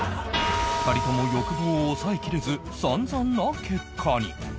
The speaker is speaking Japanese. ２人とも欲望を抑えきれず散々な結果に